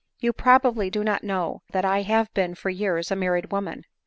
You probably do not know that I have been for years a married woman